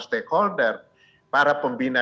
stakeholder para pembina